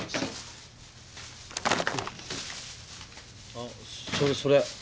あっそれそれ。